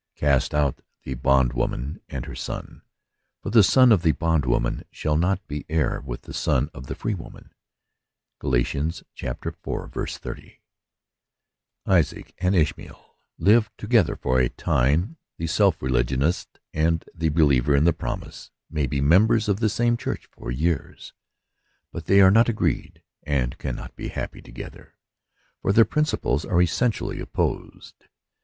Cast out th bondwoman and her son : for the son of the bondwomaiu shall not be heir with the son of tiie free woman." — GaL iv. 80. |SAAC and Ishmael lived together for a time. The self religionist and the believer in the promise may be mem ^ bers of the same church for years, but they are not agreed, and cannot be happy together, for their principles are essentially opposed.